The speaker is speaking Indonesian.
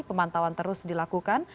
pemantauan terus dilakukan